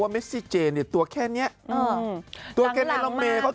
อย่าไปไหนก็พอ